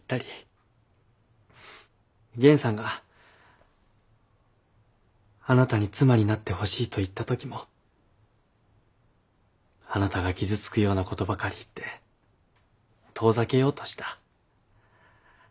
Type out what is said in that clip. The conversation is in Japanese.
源さんがあなたに「妻になってほしい」と言ったときもあなたが傷つくようなことばかり言って遠ざけようとした。